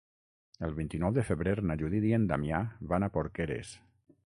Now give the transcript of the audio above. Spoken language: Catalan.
El vint-i-nou de febrer na Judit i en Damià van a Porqueres.